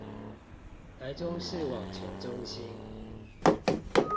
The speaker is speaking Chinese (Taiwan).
臺中市網球中心